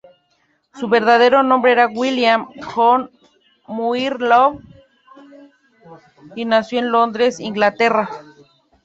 Su verdadero nombre era William John Muir Lowe, y nació en Londres, Inglaterra.